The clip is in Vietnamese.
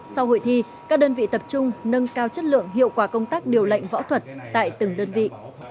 sau hội thi các đơn vị tập trung nâng cao chất lượng hiệu quả công tác điều lệnh võ thuật tại từng đơn vị